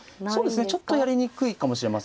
そうですねちょっとやりにくいかもしれませんね。